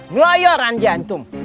meloyor anda antum